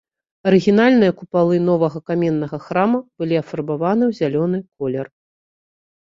Арыгінальныя купалы новага каменнага храма былі афарбаваны ў зялёны колер.